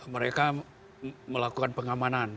mereka melakukan pengamanan